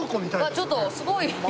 うわちょっとすごい。